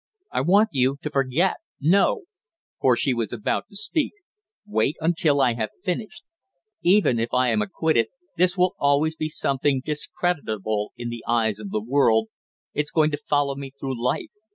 I want you to forget, no " for she was about to speak; "wait until I have finished; even if I am acquitted this will always be something discreditable in the eyes of the world, it's going to follow me through life!